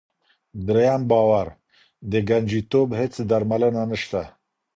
دریم باور: د ګنجیتوب هېڅ درملنه نشته.